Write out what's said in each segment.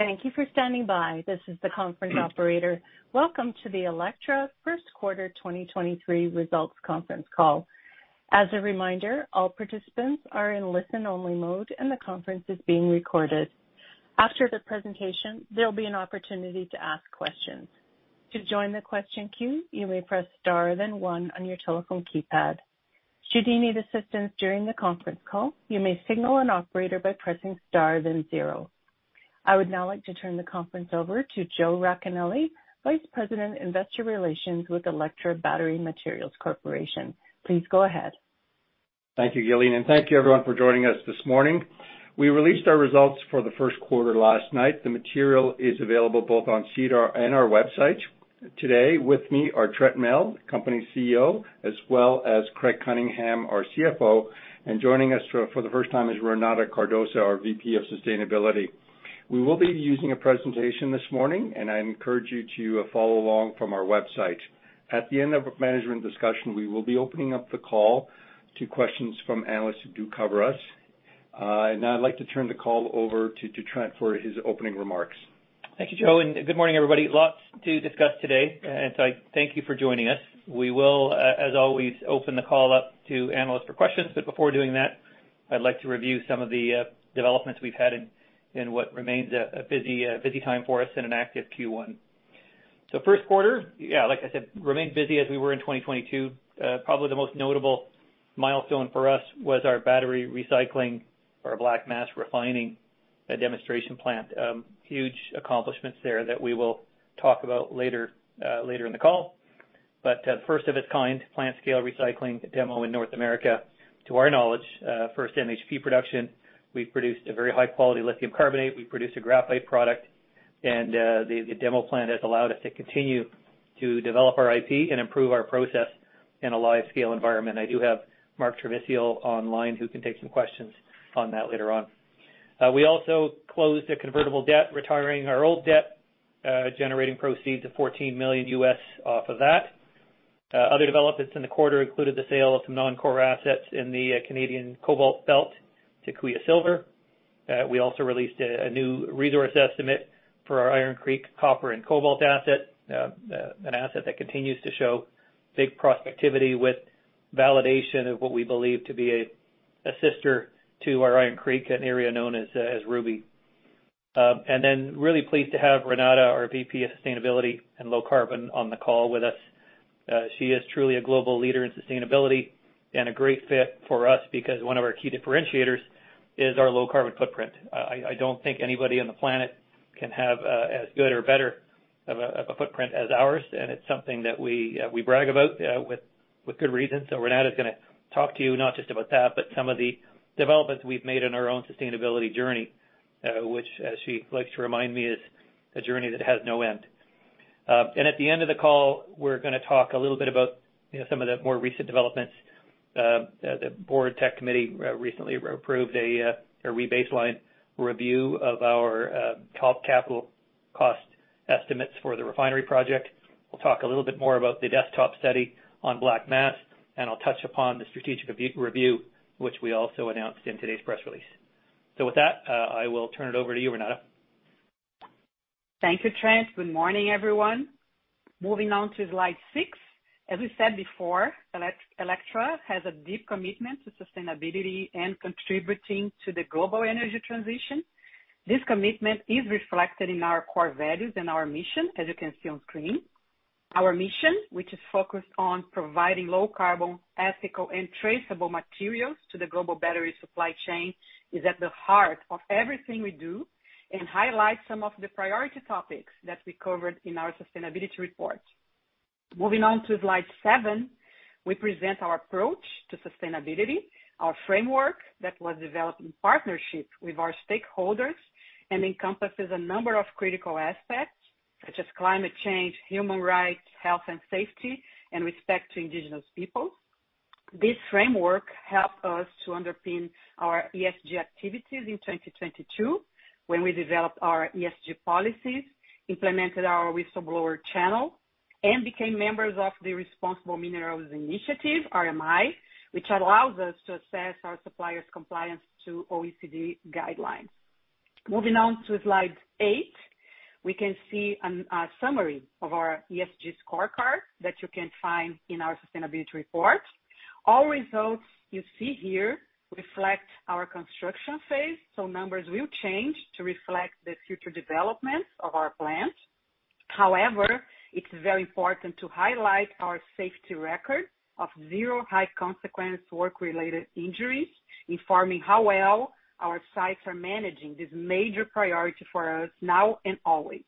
Thank you for standing by. This is the conference operator. Welcome to the Electra Q1 2023 results conference call. As a reminder, all participants are in listen-only mode, and the conference is being recorded. After the presentation, there will be an opportunity to ask questions. To join the question queue, you may press star then one on your telephone keypad. Should you need assistance during the conference call, you may signal an operator by pressing star then zero. I would now like to turn the conference over to Joe Racanelli, Vice President, Investor Relations with Electra Battery Materials Corporation. Please go ahead. Thank you, Gillian, and thank you everyone for joining us this morning. We released our results for the Q1 last night. The material is available both on SEDAR and our website. Today with me are Trent Mell, Company CEO, as well as Craig Cunningham, our CFO. And joining us for the first time is Renata Cardoso, our VP of Sustainability. We will be using a presentation this morning, and I encourage you to follow along from our website. At the end of management discussion, we will be opening up the call to questions from analysts who do cover us. And now I'd like to turn the call over to Trent for his opening remarks. Thank you, Joe, good morning, everybody. Lots to discuss today, I thank you for joining us. We will, as always, open the call up to analysts for questions, but before doing that, I'd like to review some of the developments we've had in what remains a busy time for us in an active Q1. Q1, yeah, like I said, remained busy as we were in 2022. Probably the most notable milestone for us was our battery recycling or Black Mass refining demonstration plant. Huge accomplishments there that we will talk about later in the call. First of its kind, plant scale recycling demo in North America to our knowledge, first MHP production. We've produced a very high quality lithium carbonate. We've produced a graphite product, the demo plant has allowed us to continue to develop our IP and improve our process in a live scale environment. I do have Mark Trevisiol online who can take some questions on that later on. We also closed a convertible debt, retiring our old debt, generating proceeds of $14 million off of that. Other developments in the quarter included the sale of some non-core assets in the Canadian Cobalt Belt to Kuya Silver. We also released a new resource estimate for our Iron Creek copper and cobalt asset. An asset that continues to show big prospectivity with validation of what we believe to be a sister to our Iron Creek, an area known as Ruby. Really pleased to have Renata, our VP of Sustainability and Low Carbon on the call with us. She is truly a global leader in sustainability and a great fit for us because one of our key differentiators is our low carbon footprint. I don't think anybody on the planet can have as good or better of a footprint as ours, and it's something that we brag about with good reason. Renata's gonna talk to you not just about that, but some of the developments we've made in our own sustainability journey, which she likes to remind me is a journey that has no end. At the end of the call, we're gonna talk a little bit about, you know, some of the more recent developments. The board tech committee recently approved a rebaseline review of our top capital cost estimates for the refinery project. We'll talk a little bit more about the desktop study on Black Mass, and I'll touch upon the strategic review, which we also announced in today's press release. With that, I will turn it over to you, Renata. Thank you, Trent. Good morning, everyone. Moving on to slide six. As we said before, Electra has a deep commitment to sustainability and contributing to the global energy transition. This commitment is reflected in our core values and our mission, as you can see on screen. Our mission, which is focused on providing low-carbon, ethical, and traceable materials to the global battery supply chain, is at the heart of everything we do and highlights some of the priority topics that we covered in our sustainability report. Moving on to slide seven, we present our approach to sustainability, our framework that was developed in partnership with our stakeholders and encompasses a number of critical aspects such as climate change, human rights, health and safety, and respect to indigenous peoples. This framework helped us to underpin our ESG activities in 2022 when we developed our ESG policies, implemented our whistleblower channel, and became members of the Responsible Minerals Initiative, RMI, which allows us to assess our suppliers' compliance to OECD guidelines. Moving on to slide eight, we can see a summary of our ESG scorecard that you can find in our sustainability report. All results you see here reflect our construction phase, so numbers will change to reflect the future developments of our plant. It's very important to highlight our safety record of 0 high consequence work-related injuries, informing how well our sites are managing this major priority for us now and always.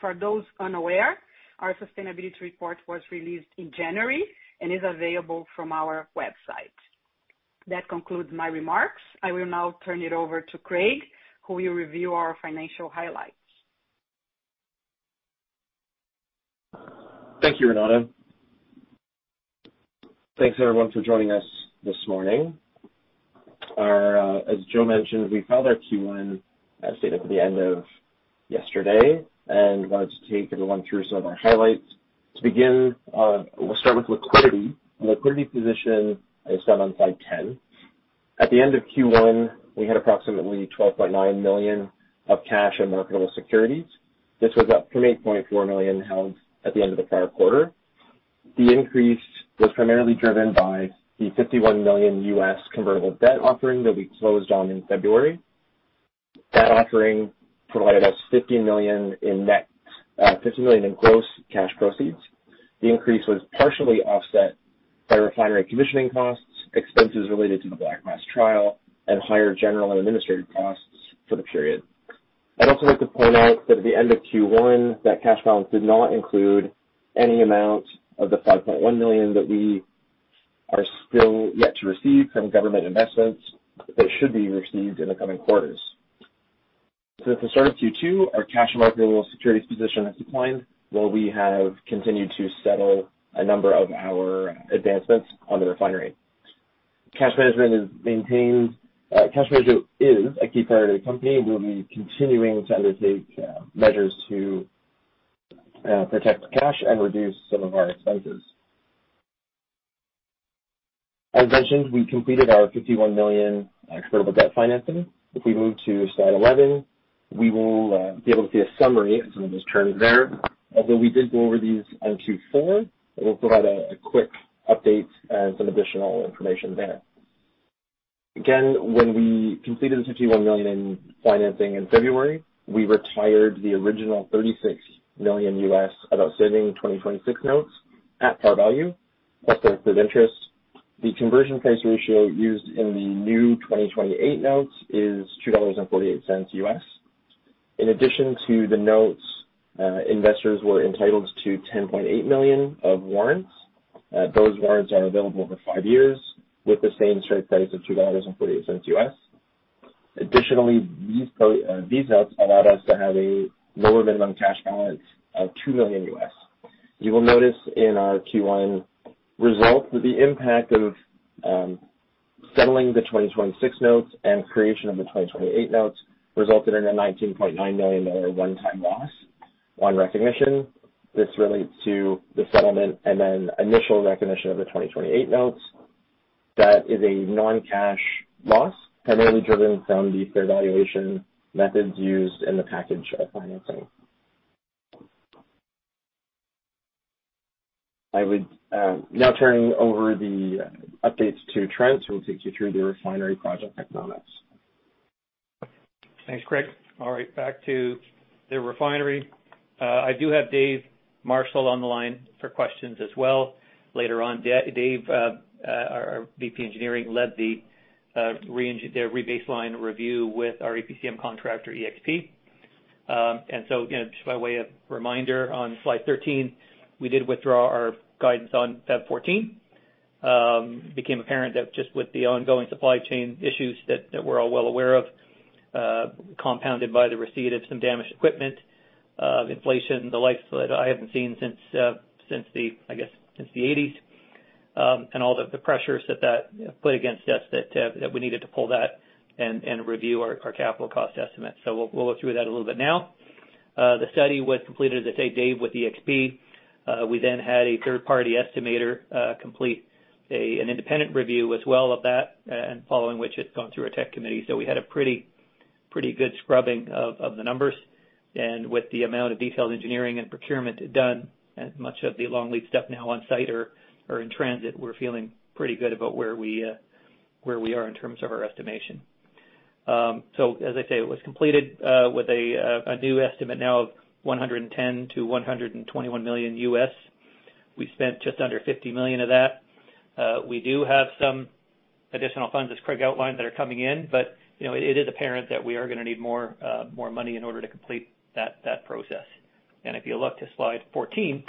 For those unaware, our sustainability report was released in January and is available from our website. That concludes my remarks. I will now turn it over to Craig, who will review our financial highlights. Thank you, Renata. Thanks everyone for joining us this morning. Our, as Joe mentioned, we filed our Q1 as stated at the end of yesterday and wanted to take everyone through some of our highlights To begin, we'll start with liquidity. Liquidity position is done on slide 10. At the end of Q1, we had approximately $12.9 million of cash and marketable securities. This was up from $8.4 million held at the end of the prior quarter. The increase was primarily driven by the $51 million U.S. convertible debt offering that we closed on in February. That offering provided us $50 million in net, $50 million in gross cash proceeds. The increase was partially offset by refinery commissioning costs, expenses related to the black mass trial, and higher general and administrative costs for the period. I'd also like to point out that at the end of Q1, that cash balance did not include any amount of the $5.1 million that we are still yet to receive from government investments that should be received in the coming quarters. At the start of Q2, our cash marketable securities position has declined, while we have continued to settle a number of our advancements on the refinery. Cash management is maintained. Cash management is a key priority of the company. We'll be continuing to undertake measures to protect cash and reduce some of our expenses. As mentioned, we completed our $51 million convertible debt financing. If we move to slide 11, we will be able to see a summary as I just turn there. Although we did go over these in Q4, I will provide a quick update and some additional information there. Again, when we completed the $51 million in financing in February, we retired the original $36 million U.S. of outstanding 2026 notes at par value, plus the accrued interest. The conversion price ratio used in the new 2028 notes is $2.48 US. In addition to the notes, investors were entitled to $10.8 million of warrants. Those warrants are available for 5 years with the same strike price of $2.48 US. Additionally, these notes allowed us to have a lower minimum cash balance of $2 million US. You will notice in our Q1 results that the impact of settling the 2026 notes and creation of the 2028 notes resulted in a $19.9 million one-time loss on recognition. This relates to the settlement and then initial recognition of the 2028 notes. That is a non-cash loss, primarily driven from the fair valuation methods used in the package of financing. I would, now turning over the updates to Trent, who will take you through the refinery project economics. Thanks, Craig. All right, back to the refinery. I do have David Marshall on the line for questions as well later on. Dave, our VP Engineering, led the rebaseline review with our EPCM contractor, EXP. You know, just by way of reminder, on slide 13, we did withdraw our guidance on February 14. Became apparent that just with the ongoing supply chain issues that we're all well aware of, compounded by the receipt of some damaged equipment, inflation, the likes that I haven't seen since the, I guess, since the 1980s. All the pressures that put against us that we needed to pull that and review our capital cost estimate. We'll go through that a little bit now. leted, as I say, Dave, with EXP. We then had a third-party estimator, complete an independent review as well of that, and following which it's gone through our tech committee. We had a pretty good scrubbing of the numbers. With the amount of detailed engineering and procurement done, and much of the long lead stuff now on site or in transit, we're feeling pretty good about where we are in terms of our estimation. As I say, it was completed with a new estimate now of $110 million-$121 million. We spent just under $50 million of that. We do have some additional funds, as Craig outlined, that are coming in, but you know, it is apparent that we are gonna need more money in order to complete that process. If you look to slide 14,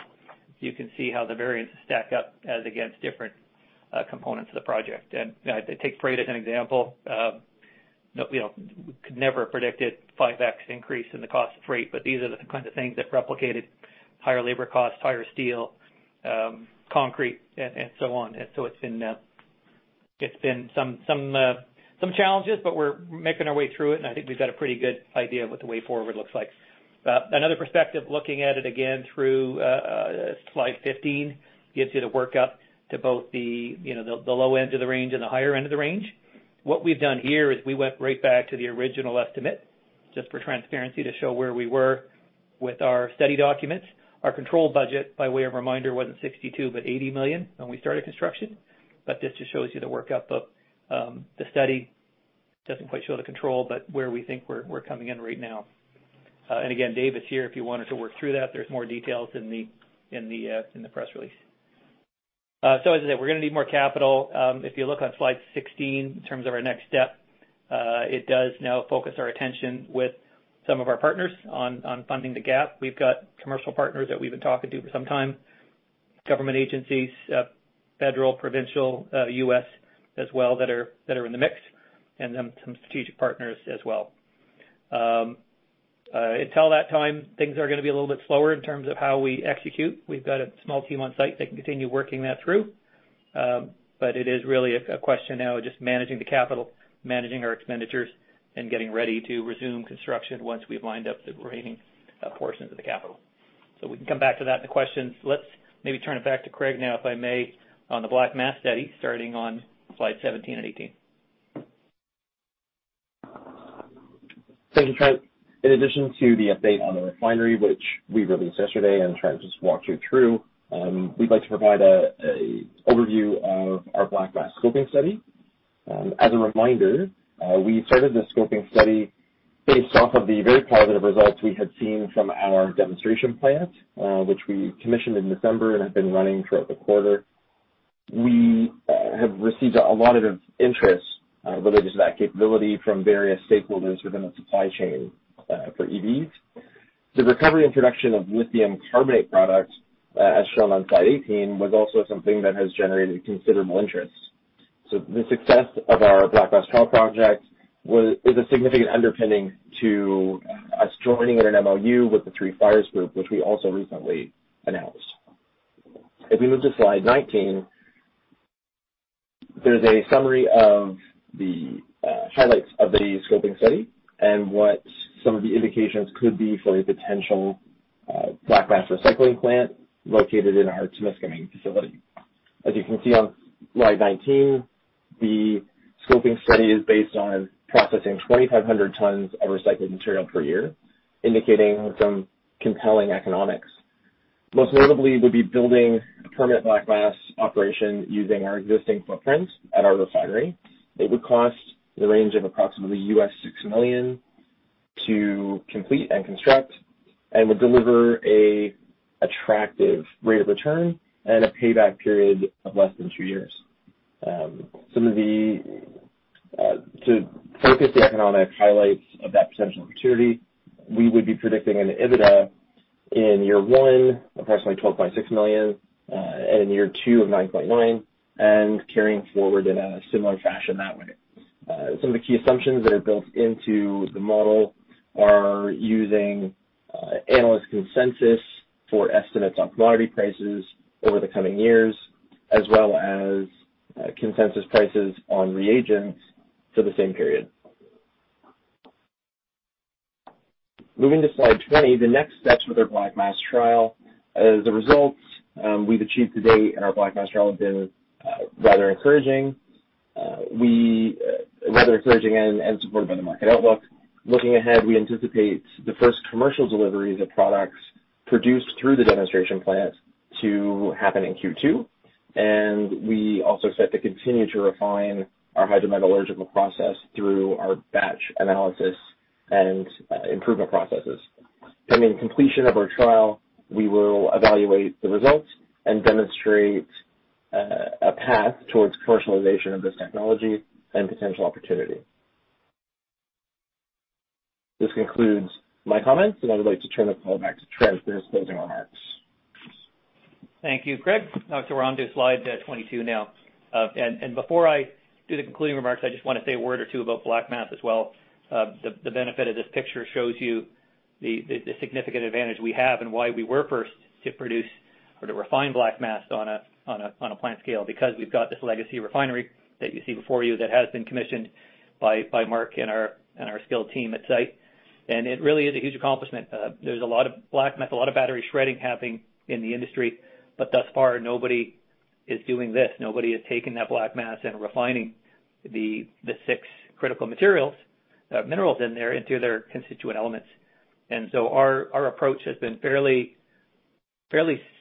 you can see how the variances stack up as against different components of the project. Take freight as an example. You know, we could never have predicted 5x increase in the cost of freight, but these are the kind of things that replicated higher labor costs, higher steel, concrete and so on. So it's been some challenges, but we're making our way through it, and I think we've got a pretty good idea of what the way forward looks like. Another perspective, looking at it again through slide 15, gives you the workup to both the, you know, the low end of the range and the higher end of the range. What we've done here is we went right back to the original estimate, just for transparency to show where we were with our study documents. Our control budget, by way of reminder, wasn't 62, but $80 million when we started construction. This just shows you the workup of the study. Doesn't quite show the control, but where we think we're coming in right now. Again, Dave is here if you wanted to work through that. There's more details in the press release. As I said, we're gonna need more capital. If you look on slide 16, in terms of our next step, it does now focus our attention with some of our partners on funding the gap. We've got commercial partners that we've been talking to for some time, government agencies, federal, provincial, U.S. as well, that are in the mix, and then some strategic partners as well. Until that time, things are gonna be a little bit slower in terms of how we execute. We've got a small team on site that can continue working that through. It is really a question now of just managing the capital, managing our expenditures, and getting ready to resume construction once we've lined up the remaining portions of the capital. We can come back to that in the questions. Let's maybe turn it back to Craig now, if I may, on the black mass study, starting on slide 17 and 18. Thank you, Trent. In addition to the update on the refinery, which we released yesterday, and Trent just walked you through, we'd like to provide a overview of our black mass scoping study. As a reminder, we started the scoping study based off of the very positive results we had seen from our demonstration plant, which we commissioned in December and have been running throughout the quarter. We have received a lot of interest related to that capability from various stakeholders within the supply chain for EVs. The recovery and production of lithium carbonate product, as shown on slide 18, was also something that has generated considerable interest. The success of our black mass trial project is a significant underpinning to us joining an MOU with the Three Fires Group, which we also recently announced. If we move to slide 19, there's a summary of the highlights of the scoping study and what some of the indications could be for a potential black mass recycling plant located in our Temiskaming facility. As you can see on slide 19, the scoping study is based on processing 2,500 tons of recycled material per year, indicating some compelling economics. Most notably, we'll be building a permanent black mass operation using our existing footprint at our refinery. It would cost in the range of approximately $6 million to complete and construct, and would deliver a attractive rate of return and a payback period of less than 2 years. Some of the economic highlights of that potential opportunity, we would be predicting an EBITDA in year one approximately $12.6 million, and in year two of $9.9 million, carrying forward in a similar fashion that way. Some of the key assumptions that are built into the model are using analyst consensus for estimates on commodity prices over the coming years, as well as consensus prices on reagents for the same period. Moving to slide 20, the next steps with our black mass trial. The results we've achieved to date in our black mass trial have been rather encouraging and supported by the market outlook. Looking ahead, we anticipate the first commercial deliveries of products produced through the demonstration plant to happen in Q2. We also set to continue to refine our hydrometallurgical process through our batch analysis and improvement processes. Pending completion of our trial, we will evaluate the results and demonstrate a path towards commercialization of this technology and potential opportunity. This concludes my comments, and I would like to turn the call back to Trent for his closing remarks. Thank you, Craig. We're onto slide 22 now. Before I do the concluding remarks, I just wanna say a word or two about black mass as well. The benefit of this picture shows you the significant advantage we have and why we were first to produce or to refine black mass on a plant scale, because we've got this legacy refinery that you see before you that has been commissioned by Mark and our skilled team at site. It really is a huge accomplishment. There's a lot of black mass, a lot of battery shredding happening in the industry, but thus far, nobody is doing this. Nobody has taken that black mass and refining the 6 critical materials, minerals in there into their constituent elements. Our approach has been fairly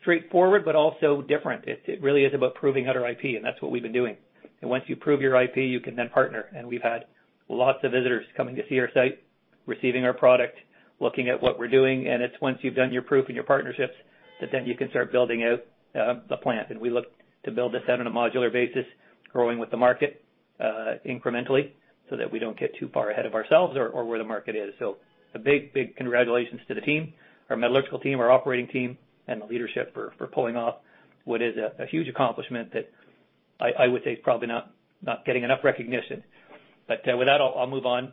straightforward, but also different. It really is about proving out our IP, that's what we've been doing. Once you prove your IP, you can then partner, we've had lots of visitors coming to see our site, receiving our product, looking at what we're doing. It's once you've done your proof and your partnerships that then you can start building out the plant. We look to build this out on a modular basis, growing with the market incrementally so that we don't get too far ahead of ourselves or where the market is. A big congratulations to the team, our metallurgical team, our operating team, and the leadership for pulling off what is a huge accomplishment that I would say is probably not getting enough recognition. With that, I'll move on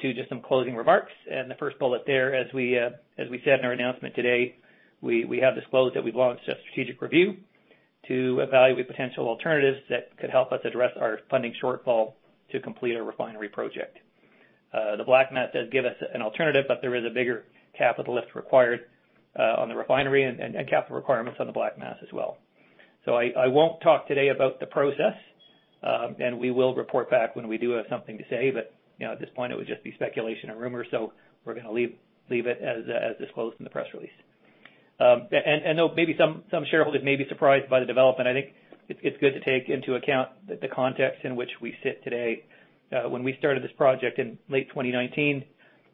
to just some closing remarks. The first bullet there, as we, as we said in our announcement today, we have disclosed that we've launched a strategic review to evaluate potential alternatives that could help us address our funding shortfall to complete our refinery project. The black mass does give us an alternative, but there is a bigger capital lift required on the refinery and capital requirements on the black mass as well. I won't talk today about the process, and we will report back when we do have something to say. You know, at this point it would just be speculation and rumor, we're gonna leave it as disclosed in the press release. Though maybe some shareholders may be surprised by the development, I think it's good to take into account the context in which we sit today. When we started this project in late 2019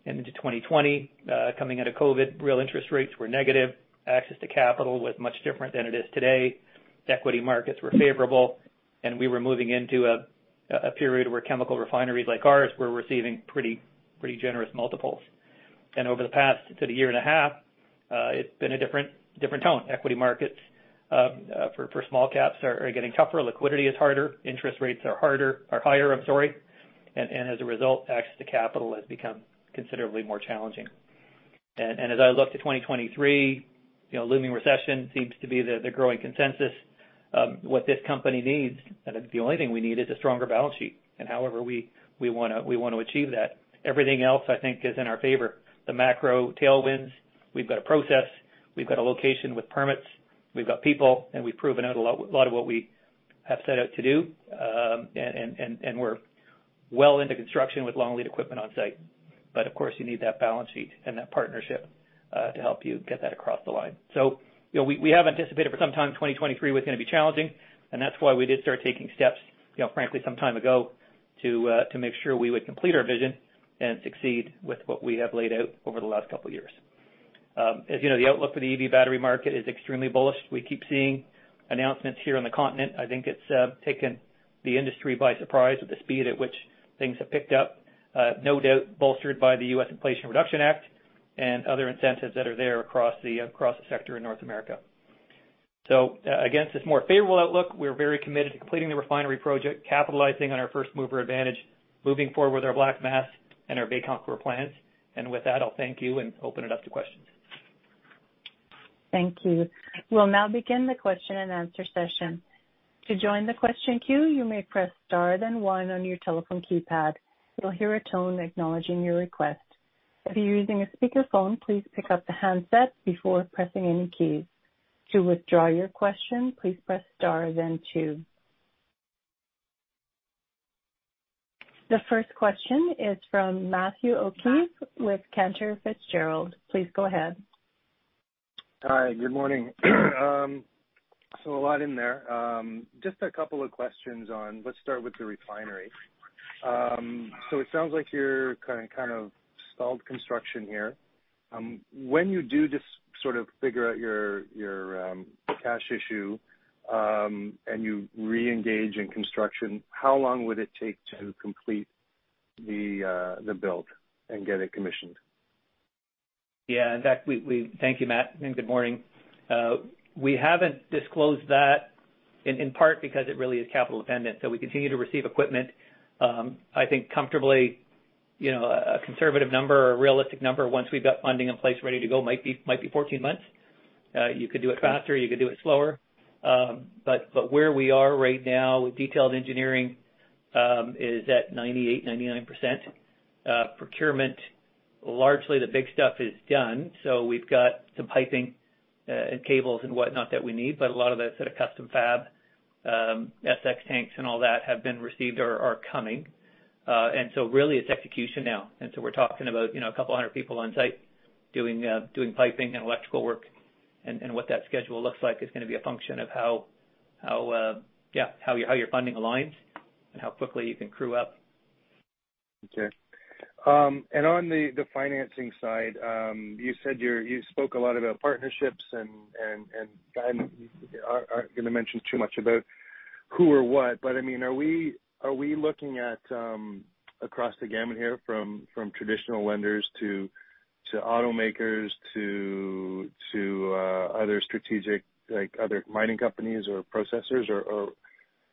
and into 2020, coming out of COVID, real interest rates were negative, access to capital was much different than it is today, equity markets were favorable, and we were moving into a period where chemical refineries like ours were receiving pretty generous multiples. Over the past to the year and a half, it's been a different tone. Equity markets for small caps are getting tougher. Liquidity is harder. Interest rates are harder, or higher, I'm sorry. As a result, access to capital has become considerably more challenging. As I look to 2023, you know, looming recession seems to be the growing consensus of what this company needs, and the only thing we need is a stronger balance sheet. However we wanna achieve that. Everything else I think is in our favor. The macro tailwinds, we've got a process, we've got a location with permits, we've got people, and we've proven out a lot of what we have set out to do. And we're well into construction with long lead equipment on site. Of course, you need that balance sheet and that partnership to help you get that across the line. You know, we have anticipated for some time, 2023 was gonna be challenging, and that's why we did start taking steps, you know, frankly, some time ago to make sure we would complete our vision and succeed with what we have laid out over the last couple years. As you know, the outlook for the EV battery market is extremely bullish. We keep seeing announcements here on the continent. I think it's taken the industry by surprise with the speed at which things have picked up, no doubt bolstered by the US Inflation Reduction Act and other incentives that are there across the, across the sector in North America. Against this more favorable outlook, we're very committed to completing the refinery project, capitalizing on our first mover advantage, moving forward with our black mass and our Bécancour plans. With that, I'll thank you and open it up to questions. Thank you. We'll now begin the question and answer session. To join the question queue, you may press star then one on your telephone keypad. You'll hear a tone acknowledging your request. If you're using a speakerphone, please pick up the handset before pressing any keys. To withdraw your question, please press star then two. The first question is from Matthew O'Keefe with Cantor Fitzgerald. Please go ahead. Hi, good morning. A lot in there. Just a couple of questions on... Let's start with the refinery. It sounds like you're kind of stalled construction here. When you do just sort of figure out your cash issue, and you reengage in construction, how long would it take to complete the build and get it commissioned? Yeah. In fact, we. Thank you, Matt. Good morning. We haven't disclosed that in part because it really is capital dependent. We continue to receive equipment. I think comfortably, you know, a conservative number or a realistic number once we've got funding in place ready to go might be 14 months. You could do it faster, you could do it slower. Where we are right now with detailed engineering is at 98%-99%. Procurement, largely the big stuff is done. We've got some piping, and cables and whatnot that we need, but a lot of that's at a custom fab. SX tanks and all that have been received or are coming. Really it's execution now. we're talking about, you know, a couple hundred people on site doing piping and electrical work. what that schedule looks like is gonna be a function of how your funding aligns and how quickly you can crew up. Okay. On the financing side, you spoke a lot about partnerships and I mean, aren't gonna mention too much about who or what, but I mean, are we looking at across the gamut here from traditional lenders to automakers, to other strategic, like other mining companies or processors, or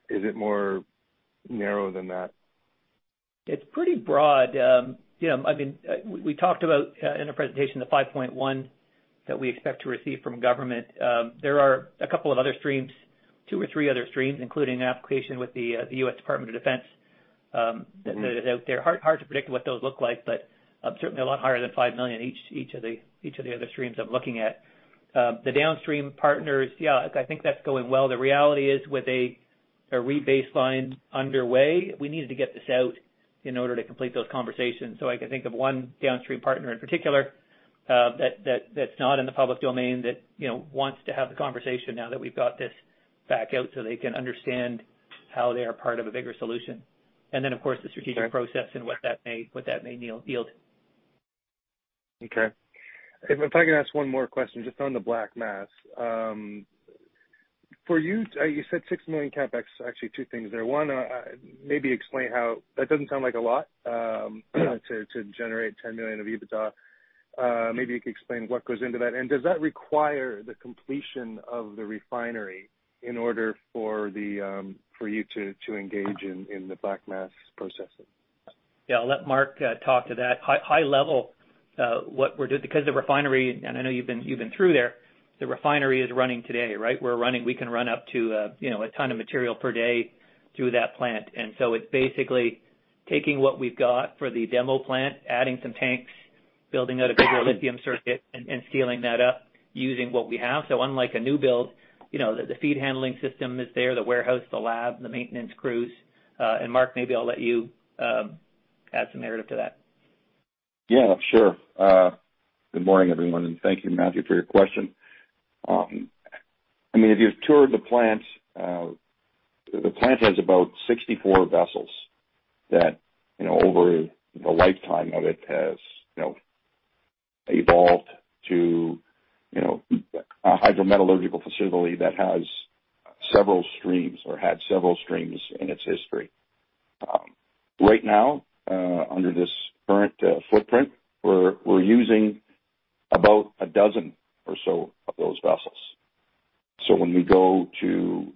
is it more narrow than that? It's pretty broad. you know, I mean, we talked about, in the presentation, the 5.1 that we expect to receive from government. There are a couple of other streams, two or three other streams, including an application with the US Department of Defense. Mm-hmm. That are out there. Hard to predict what those look like, certainly a lot higher than 5 million each of the other streams I'm looking at. The downstream partners, yeah, I think that's going well. The reality is, with a rebaseline underway, we needed to get this out in order to complete those conversations. I can think of one downstream partner in particular that's not in the public domain that, you know, wants to have the conversation now that we've got this back out so they can understand how they are part of a bigger solution. Then of course, the strategic process and what that may yield. Okay. If I can ask one more question, just on the black mass. For you said $6 million CapEx. Actually two things there. One, maybe explain how... That doesn't sound like a lot, to generate $10 million of EBITDA. Maybe you could explain what goes into that. Does that require the completion of the refinery in order for the, for you to engage in the black mass processes? Yeah, I'll let Mark talk to that. High, high level, Because the refinery, and I know you've been, you've been through there, the refinery is running today, right? We're running, we can run up to, you know, a ton of material per day through that plant. It's basically taking what we've got for the demo plant, adding some tanks, building out a bigger lithium circuit, and sealing that up using what we have. Unlike a new build, you know, the feed handling system is there, the warehouse, the lab, the maintenance crews. Mark, maybe I'll let you add some narrative to that. Yeah, sure. Good morning, everyone, and thank you, Matthew, for your question. I mean, if you've toured the plant, the plant has about 64 vessels that, you know, over the lifetime of it has, you know, evolved to, you know, a hydrometallurgical facility that has several streams or had several streams in its history. Right now, under this current footprint, we're using about a dozen or so of those vessels. When we go to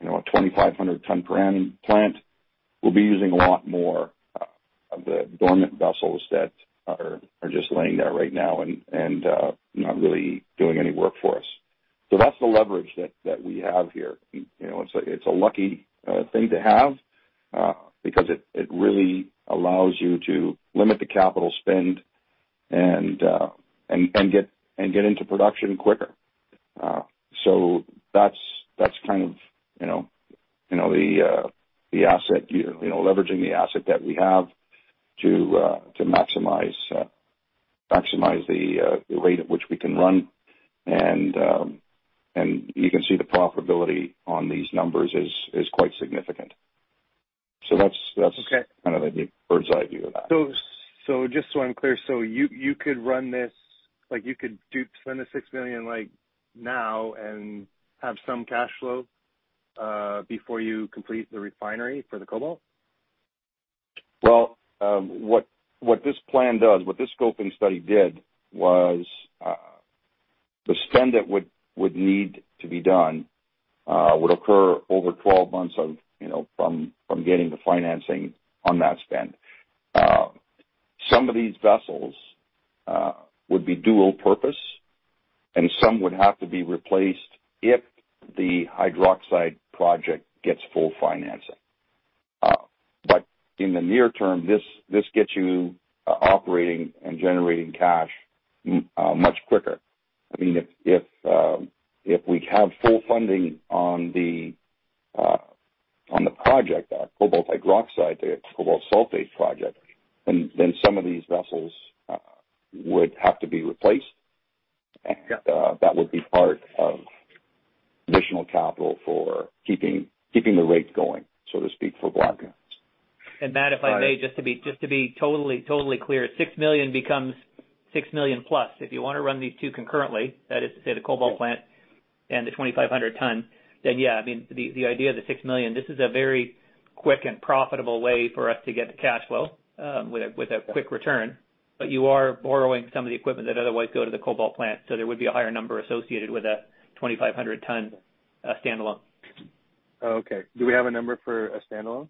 You know, a 2,500 ton per annum plant. We'll be using a lot more of the dormant vessels that are just laying there right now and, not really doing any work for us. That's the leverage that we have here. You know, it's a lucky thing to have, because it really allows you to limit the capital spend and get into production quicker. That's kind of, you know, the asset, you know, leveraging the asset that we have to maximize the rate at which we can run. You can see the profitability on these numbers is quite significant. Okay. That's kind of a bird's eye view of that. Just so I'm clear, you could run this... Like, spend the $6 million, like, now and have some cash flow before you complete the refinery for the cobalt? Well, what this plan does, what this scoping study did was, the spend that would need to be done would occur over 12 months of, you know, from getting the financing on that spend. Some of these vessels would be dual purpose, and some would have to be replaced if the hydroxide project gets full financing. In the near term, this gets you operating and generating cash much quicker. I mean, if we have full funding on the project, our cobalt hydroxide, the cobalt sulfate project, then some of these vessels would have to be replaced. Got it. That would be part of additional capital for keeping the rates going, so to speak, for Black Mass. All right. Matt, if I may, just to be totally clear, 6 million becomes 6 million+. If you wanna run these two concurrently, that is to say the cobalt plant and the 2,500 ton, then yeah, I mean, the idea of the six million, this is a very quick and profitable way for us to get the cash flow with a quick return. You are borrowing some of the equipment that otherwise go to the cobalt plant, so there would be a higher number associated with a 2,500 ton standalone. Oh, okay. Do we have a number for a standalone?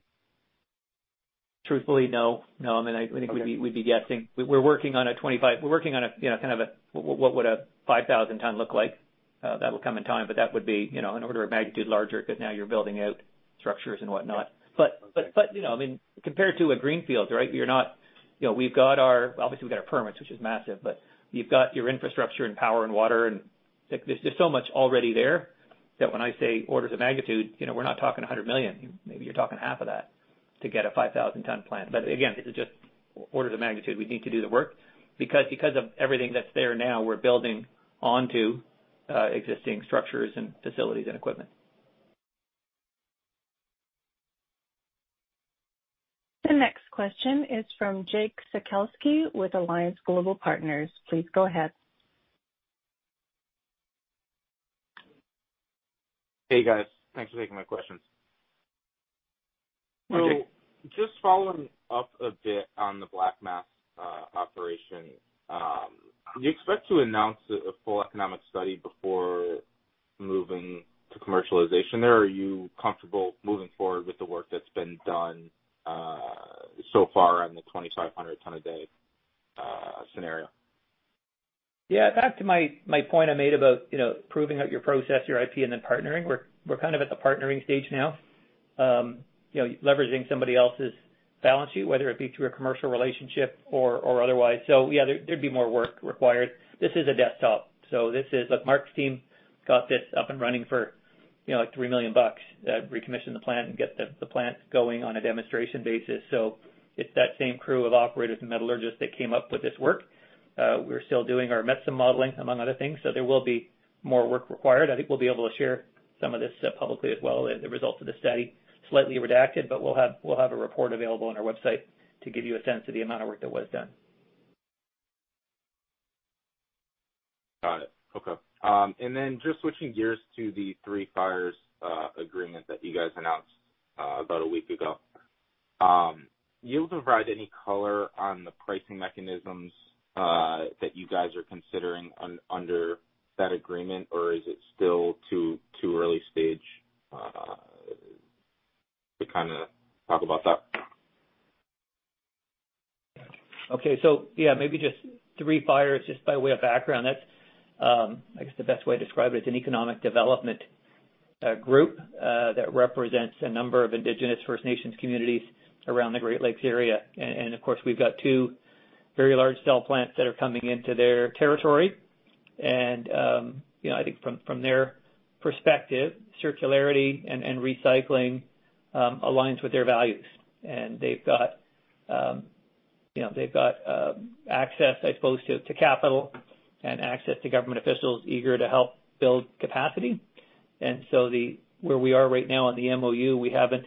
Truthfully, no. No, I mean, I think we'd be- Okay. We'd be guessing. We're working on a, you know, kind of a, what would a 5,000 ton look like? That will come in time. That would be, you know, an order of magnitude larger because now you're building out structures and whatnot. Okay. You know, I mean, compared to a greenfield, right? You're not, you know, we've got our. Obviously, we've got our permits, which is massive, but you've got your infrastructure and power and water, and like, there's so much already there that when I say orders of magnitude, you know, we're not talking $100 million. Maybe you're talking half of that to get a 5,000 ton plant. Again, this is just orders of magnitude. We need to do the work. Because of everything that's there now, we're building onto existing structures and facilities and equipment. The next question is from Jake Sekelsky with Alliance Global Partners. Please go ahead. Hey, guys. Thanks for taking my questions. Hi, Jake. Just following up a bit on the Black Mass operation, do you expect to announce a full economic study before moving to commercialization there? Are you comfortable moving forward with the work that's been done so far on the 2,500 ton a day scenario? Yeah, back to my point I made about, you know, proving out your process, your IP, and then partnering. We're kind of at the partnering stage now. You know, leveraging somebody else's balance sheet, whether it be through a commercial relationship or otherwise. Yeah, there'd be more work required. This is a desktop. Look, Mark's team got this up and running for, you know, like $3 million, recommission the plant and get the plant going on a demonstration basis. It's that same crew of operators and metallurgists that came up with this work. We're still doing our METSIM modeling, among other things. There will be more work required. I think we'll be able to share some of this, publicly as well as the results of the study. Slightly redacted, but we'll have a report available on our website to give you a sense of the amount of work that was done. Got it. Okay. Just switching gears to the Three Fires agreement that you guys announced about a week ago. Can you provide any color on the pricing mechanisms that you guys are considering under that agreement? Or is it still too early stage to kinda talk about that? Okay. Yeah, maybe just Three Fires, just by way of background, that's, I guess the best way to describe it's an economic development group that represents a number of indigenous First Nations communities around the Great Lakes area. And of course, we've got two very large cell plants that are coming into their territory. You know, I think from their perspective, circularity and recycling aligns with their values. They've got, you know, they've got access, I suppose, to capital and access to government officials eager to help build capacity. The... Where we are right now on the MOU, we haven't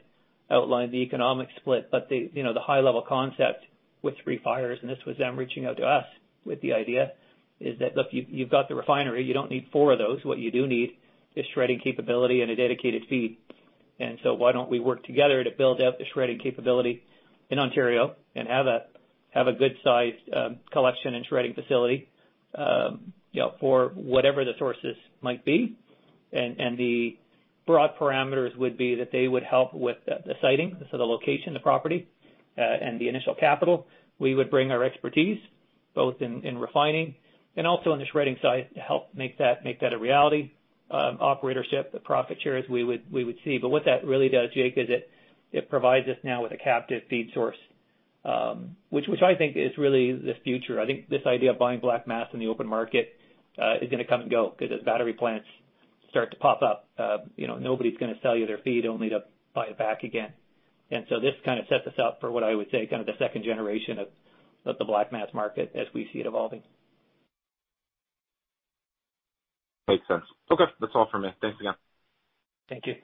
outlined the economic split, but you know, the high level concept with Three Fires, and this was them reaching out to us with the idea, is that, look, you've got the refinery, you don't need four of those. What you do need is shredding capability and a dedicated feed. Why don't we work together to build out the shredding capability in Ontario and have a good sized collection and shredding facility. You know, for whatever the sources might be. The broad parameters would be that they would help with the siting, so the location of the property, and the initial capital. We would bring our expertise, both in refining and also on the shredding side to help make that, make that a reality. Operatorship, the profit shares we would see. What that really does, Jake, it provides us now with a captive feed source, which I think is really the future. I think this idea of buying black mass in the open market, is gonna come and go 'cause as battery plants start to pop up, you know, nobody's gonna sell you their feed only to buy it back again. This kind of sets us up for what I would say kind of the second generation of the black mass market as we see it evolving. Makes sense. Okay. That's all for me. Thanks again. Thank you.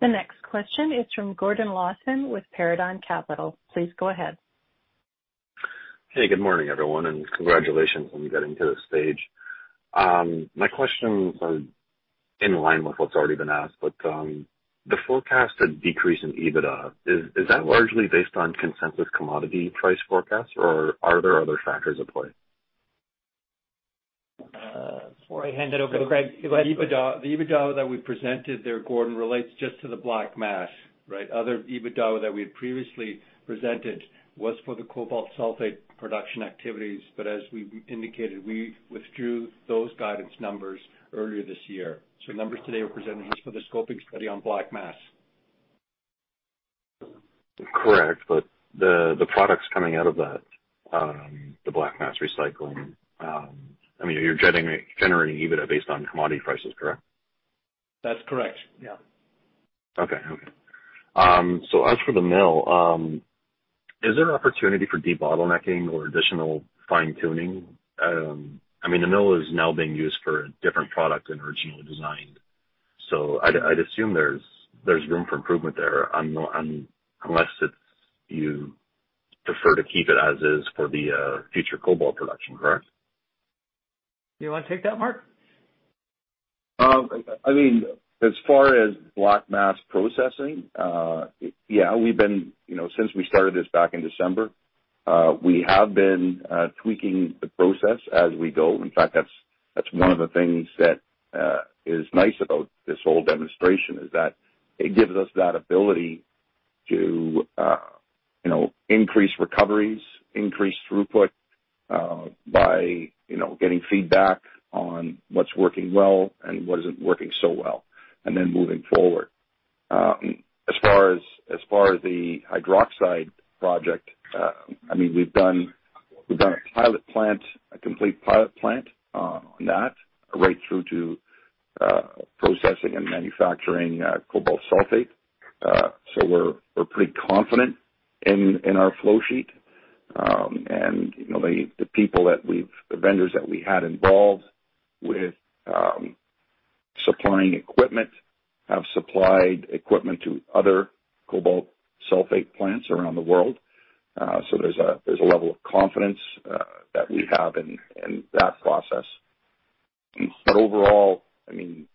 The next question is from Gordon Lawson with Paradigm Capital. Please go ahead. Hey, good morning, everyone, and congratulations on getting to this stage. My question is, in line with what's already been asked, but the forecasted decrease in EBITDA, is that largely based on consensus commodity price forecasts, or are there other factors at play? Before I hand it over to Craig. The EBITDA that we presented there, Gordon, relates just to the black mass, right? Other EBITDA that we had previously presented was for the cobalt sulfate production activities. As we indicated, we withdrew those guidance numbers earlier this year. Numbers today we're presenting is for the scoping study on black mass. Correct. The, the products coming out of that, the black mass recycling, I mean, you're generating EBITDA based on commodity prices, correct? That's correct. Yeah. Okay. Okay. As for the mill, is there an opportunity for debottlenecking or additional fine-tuning? I mean, the mill is now being used for a different product than originally designed, so I'd assume there's room for improvement there unless it's you prefer to keep it as is for the future cobalt production, correct? You wanna take that, Mark? I mean, as far as black mass processing, yeah, we've been, you know, since we started this back in December, we have been tweaking the process as we go. In fact, that's one of the things that is nice about this whole demonstration is that it gives us that ability to, you know, increase recoveries, increase throughput, by, you know, getting feedback on what's working well and what isn't working so well, and then moving forward. As far as the hydroxide project, I mean, we've done a pilot plant, a complete pilot plant, on that right through to processing and manufacturing cobalt sulfate. We're pretty confident in our flow sheet. You know, the people that we've... The vendors that we had involved with, supplying equipment have supplied equipment to other cobalt sulfate plants around the world. There's a level of confidence that we have in that process. Overall, I mean,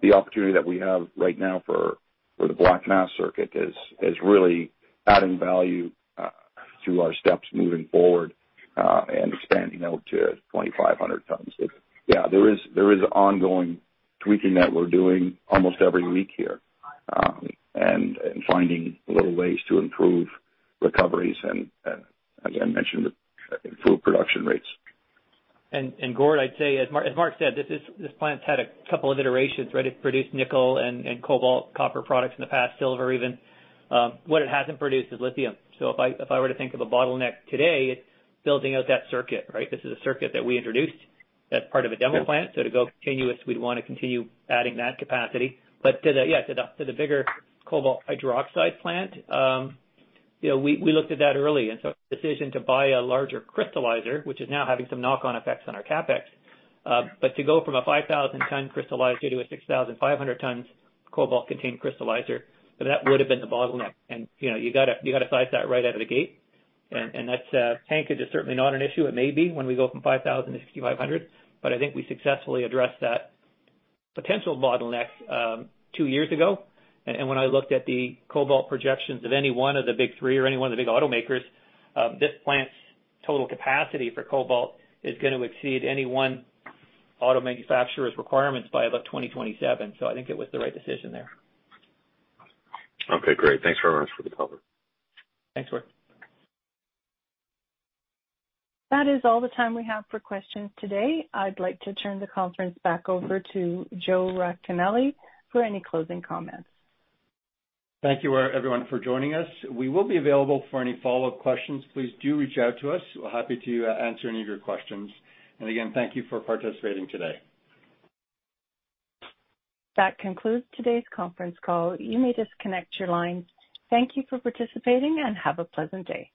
the opportunity that we have right now for the black mass circuit is really adding value to our steps moving forward and expanding out to 2,500 tons. There is ongoing tweaking that we're doing almost every week here, and finding little ways to improve recoveries and as I mentioned, improve production rates. Gord, I'd say, as Mark said, this plant's had a couple of iterations, right? It's produced nickel and cobalt, copper products in the past, silver even. What it hasn't produced is lithium. If I were to think of a bottleneck today, it's building out that circuit, right? This is a circuit that we introduced as part of a demo plant. Yeah. To go continuous, we'd wanna continue adding that capacity. To the, yeah, to the bigger cobalt hydroxide plant, you know, we looked at that early. Decision to buy a larger crystallizer, which is now having some knock-on effects on our CapEx, but to go from a 5,000 ton crystallizer to a 6,500 tons cobalt-containing crystallizer, that would've been the bottleneck. You know, you gotta size that right out of the gate. Right. Tankage is certainly not an issue. It may be when we go from 5,000 to 6,500, but I think we successfully addressed that potential bottleneck 2 years ago. When I looked at the cobalt projections of any one of the big three or any one of the big automakers, this plant's total capacity for cobalt is gonna exceed any one auto manufacturer's requirements by about 2027. I think it was the right decision there. Okay. Great. Thanks very much for the color. Thanks, Gord. That is all the time we have for questions today. I'd like to turn the conference back over to Joe Racanelli for any closing comments. Thank you everyone for joining us. We will be available for any follow-up questions. Please do reach out to us. We're happy to answer any of your questions. Again, thank you for participating today. That concludes today's conference call. You may disconnect your lines. Thank you for participating, and have a pleasant day.